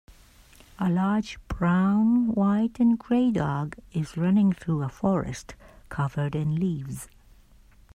A large brown, white, and gray dog is running through a forest covered in leaves.